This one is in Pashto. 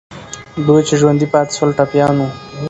دوی چې ژوندي پاتې سول، ټپیان وو.